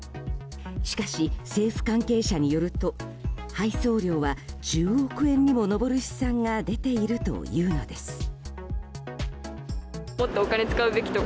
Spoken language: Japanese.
しかし、政府関係者によると配送料は１０億円にも上る試算が出ているというのです。